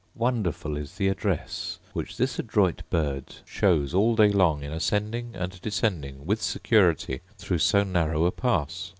Wonderful is the address which this adroit bird shows all day long in ascending and descending with security through so narrow a pass.